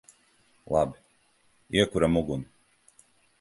Labi. Iekuram uguni!